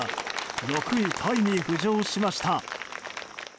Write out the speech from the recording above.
６位タイに浮上しました。